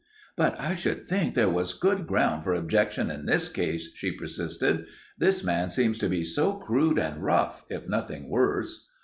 "But I should think there was good ground for objection in this case," she persisted. "This man seems to be so crude and rough, if nothing worse."